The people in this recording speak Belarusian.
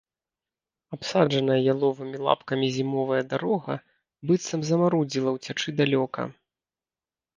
Абсаджаная яловымі лапкамі зімовая дарога быццам замарудзіла ўцячы далёка.